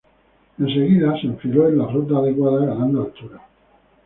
Enseguida se enfiló en la ruta adecuada ganando altura.